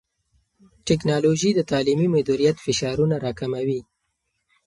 ټیکنالوژي د تعلیمي مدیریت فشارونه راکموي.